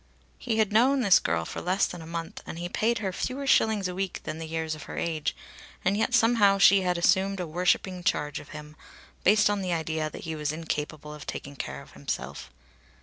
He had known this girl for less than a month and he paid her fewer shillings a week than the years of her age, and yet somehow she had assumed a worshipping charge of him, based on the idea that he was incapable of taking care of himself.